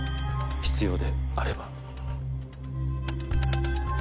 必要であれば。